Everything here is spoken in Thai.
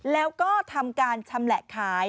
แล้วก็ทำการชำแหละขาย